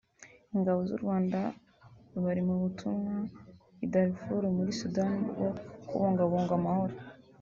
Ingabo z’u Rwanda bari mu butumwa i Darfur muri Sudani bwo kubungabunga amahoro